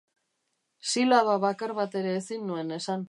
Silaba bakar bat ere ezin nuen esan.